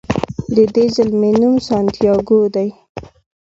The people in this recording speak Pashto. د دې زلمي نوم سانتیاګو دی.